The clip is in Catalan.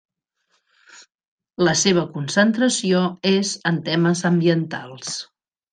La seva concentració és en temes ambientals.